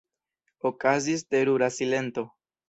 Okazis terura silento.